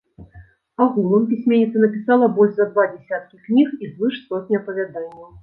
Агулам пісьменніца напісала больш за два дзясяткі кніг і звыш сотні апавяданняў.